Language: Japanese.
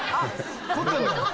凝ってるの？